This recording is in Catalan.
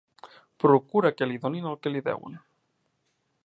Procura que li donin el que li deuen.